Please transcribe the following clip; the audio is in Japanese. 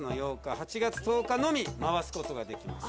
８月１０日のみ回すことができます。